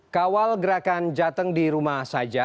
kawal gerakan jateng di rumah saja